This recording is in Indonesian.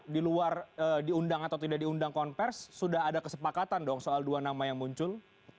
di luar diundang atau tidak diundang konversi sudah ada kesepakatan dong soal dua nama yang muncul